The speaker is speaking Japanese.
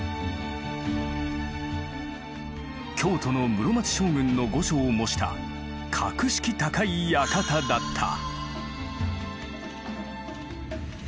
京都の室町将軍の御所を模した格式高い館だった。